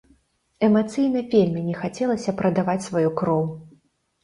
Эмацыйна вельмі не хацелася прадаваць сваю кроў.